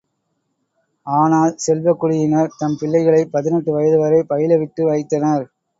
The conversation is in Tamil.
ஆனால், செல்வக் குடியினர் தம் பிள்ளைகளைப் பதினெட்டு வயது வரை பயிலவிட்டு வைத்தனர்.